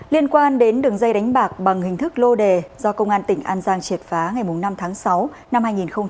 liên quan đến đường dây đánh bạc bằng hình thức lô đề do công an tỉnh an giang triệt phá ngày năm tháng sáu năm hai nghìn hai mươi ba